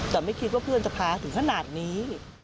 แต่ไม่คิดว่าเพื่อนจะพาถึงขนาดนี้